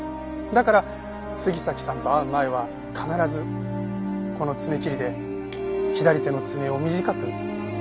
だから杉崎さんと会う前は必ずこの爪切りで左手の爪を短く切りそろえていたんです。